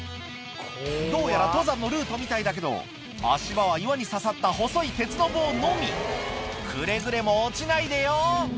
どうやら登山のルートみたいだけど足場は岩に刺さった細い鉄の棒のみくれぐれも落ちないでよ